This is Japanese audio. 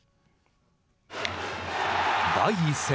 第１戦。